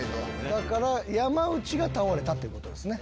だから山内が倒れたってことですね。